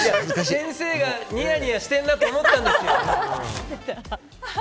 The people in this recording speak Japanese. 先生がにやにやしてるなと思ったんですよ。